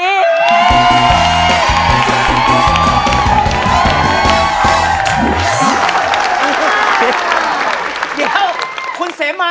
เดี๋ยวคุณเสมา